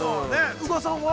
宇賀さんは。